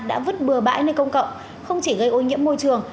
đã vứt bừa bãi nơi công cộng không chỉ gây ô nhiễm môi trường